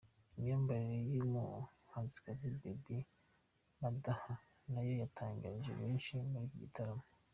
Imyambarire y'umuhanzikazi Baby Madaha nayo yatangaje benshi muri iki gitaramo.